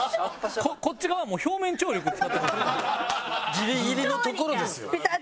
ギリギリのところですよ。